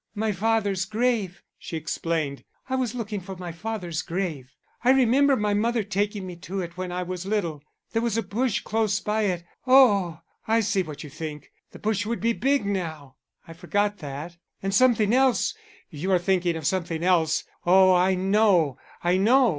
"My father's grave!" she explained. "I was looking for my father's grave. I remember my mother taking me to it when I was little. There was a bush close by it oh! I see what you think. The bush would be big now I forgot that. And something else! You are thinking of something else. Oh, I know, I know.